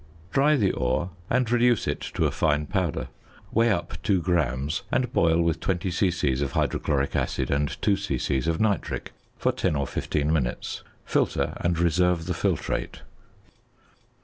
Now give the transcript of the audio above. ~ Dry the ore, and reduce it to a fine powder. Weigh up 2 grams, and boil with 20 c.c. of hydrochloric acid and 2 c.c. of nitric for ten or fifteen minutes. Filter, and reserve the filtrate.